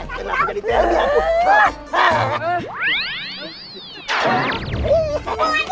kenapa jadi teriak